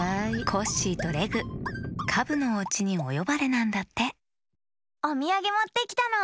コッシーとレグカブのおうちにおよばれなんだっておみやげもってきたの！